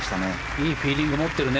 いいフィーリング持ってるね。